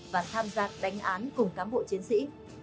và tham gia đánh án cùng cán bộ chiến sĩ